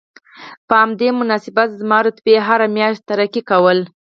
په همدې مناسبت زما رتبې هره میاشت ترفیع کوله